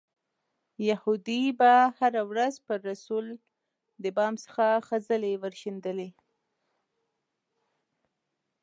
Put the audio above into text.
یهودي به هره ورځ پر رسول د بام څخه خځلې ورشیندلې.